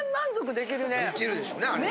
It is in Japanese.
できるでしょうねあれね。